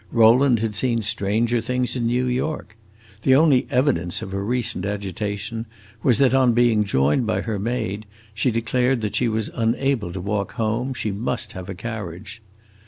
Rowland had seen stranger things in New York! The only evidence of her recent agitation was that, on being joined by her maid, she declared that she was unable to walk home; she must have a carriage.